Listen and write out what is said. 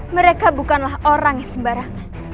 mereka bukanlah orang yang sembarangan